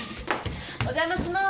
お邪魔します。